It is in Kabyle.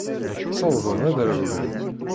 Ssawḍen ad rewlen.